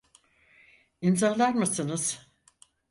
İmzalar mısınız?